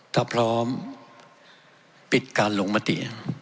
ถ้าพร้อมปิดการลงมติ